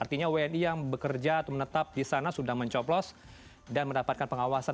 artinya wni yang bekerja atau menetap di sana sudah mencoblos dan mendapatkan pengawasan